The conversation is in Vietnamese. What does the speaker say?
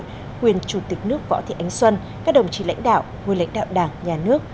nguyên chủ tịch nước võ thị ánh xuân các đồng chí lãnh đạo nguyên lãnh đạo đảng nhà nước